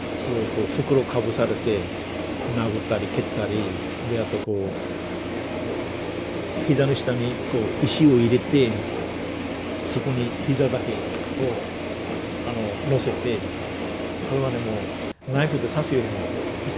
こう袋かぶされて殴ったり蹴ったりあとこう膝の下にこう石を入れてそこに膝だけをのせてこれはねもうナイフで刺すよりも痛いんですよ。